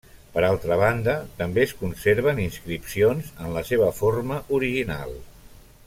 Per altra banda, també es conserven inscripcions en la seva forma original.